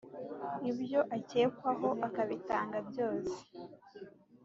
ibyo akekwaho, akabitanga byose